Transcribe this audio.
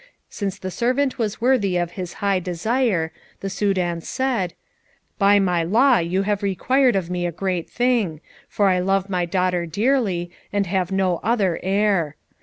Since the servant was worthy of his high desire, the Soudan said, "By my law you have required of me a great thing, for I love my daughter dearly, and have no other heir.